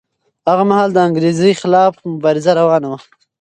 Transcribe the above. هغه مهال د انګریزۍ خلاف مبارزه روانه وه.